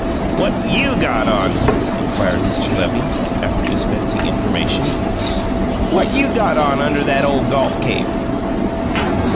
"What YOU got on?" inquired Mr. Levy, after dispensing information. "What you got on under that ole golf cape?"